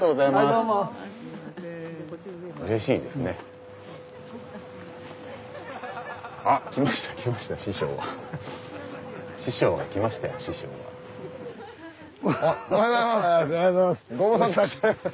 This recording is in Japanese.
おはようございます。